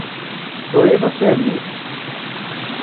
Turiḍ-as i ɛemmi-k?